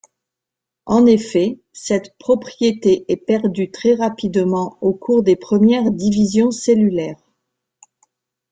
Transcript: En effet, cette propriété est perdue très rapidement au cours des premières divisions cellulaires.